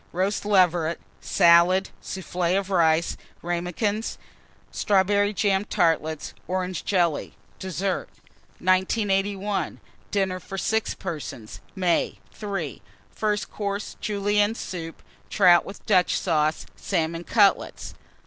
Roast Leveret. Salad. Soufflé of Rice. Ramekins. Strawberry jam Tartlets. Orange Jelly. DESSERT. 1981. DINNER FOR 6 PERSONS (May). III. FIRST COURSE. Julienne Soup. Trout with Dutch Sauce. Salmon Cutlets.